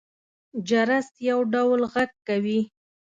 جرس يو ډول غږ کوي.